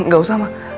gak usah ma